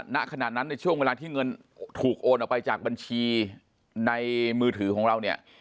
ณขณะนั้นในช่วงเวลาที่เงินถูกโอนออกไปจากบัญชีในมือถือของเราเนี่ย